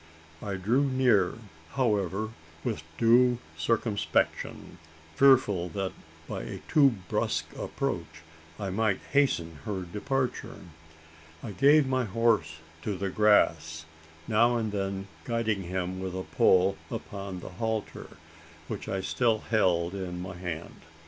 I drew near, however, with due circumspection fearful that by a too brusque approach I might hasten her departure. I gave my horse to the grass now and then guiding him with a pull upon the halter, which I still held in my hand.